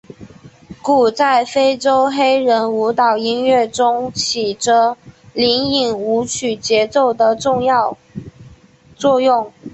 鼓在非洲黑人舞蹈音乐中起着引领舞曲节奏的重要作用。